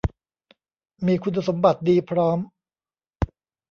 มีคุณสมบัติดีพร้อม